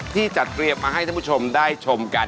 ที่จัดเตรียมมาให้ท่านผู้ชมได้ชมกัน